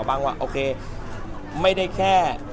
มันได้แค่